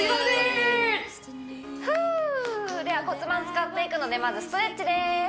では骨盤使っていくのでまずストレッチです